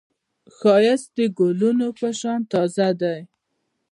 ښایست د ګلونو په شان تازه دی